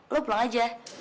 lu pulang aja